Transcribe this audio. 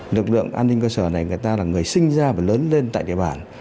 lực lượng an ninh cơ sở này người ta là người sinh ra và lớn lên tại địa bàn